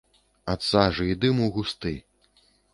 Ад сажы і дыму густы.